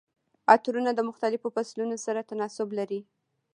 عطرونه د مختلفو فصلونو سره تناسب لري.